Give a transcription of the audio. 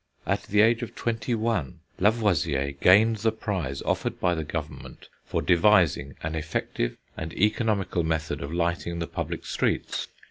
At the age of twenty one, Lavoisier gained the prize offered by the Government for devising an effective and economical method of lighting the public streets.